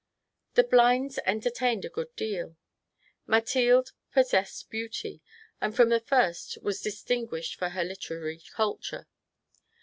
The Blinds entertained a good deaL Mathilde possessed beauty, and from the first was distinguished for her literary culture.